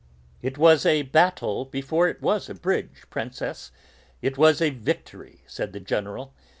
"It was a battle before it was a bridge, Princess; it was a victory!" said the General.